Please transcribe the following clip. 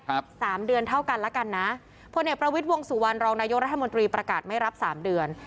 สามเดือนเท่ากันแล้วกันนะพลเอกประวิทย์วงสุวรรณรองนายกรัฐมนตรีประกาศไม่รับสามเดือน